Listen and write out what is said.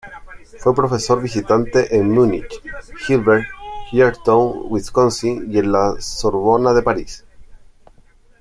Fue profesor visitante en Múnich, Heidelberg, Georgetown, Wisconsin y en la Sorbona de París.